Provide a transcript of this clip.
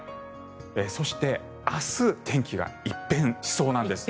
そして、明日天気が一変しそうなんです。